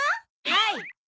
はい！